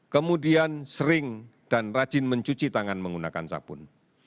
kemudian sering dan rajin mencuci tangan menggunakan sabun